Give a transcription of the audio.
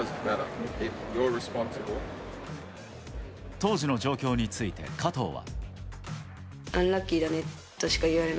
当時の状況について加藤は。